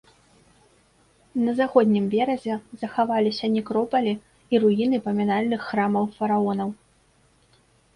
На заходнім беразе захаваліся некропалі і руіны памінальных храмаў фараонаў.